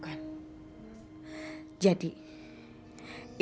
itu yang dokter mengatakan